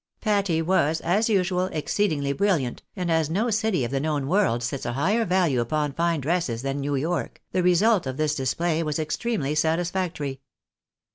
Patty was, as usual, exceedingly brilliant ; and as no city of the known world sets a higher value upon fine dresses than New York, the result of this display was extremely satisfactory.